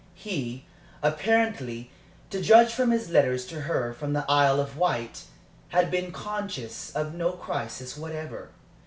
He, apparently, to judge from his letters to her from the Isle of Wight, had been conscious of no crisis whatever.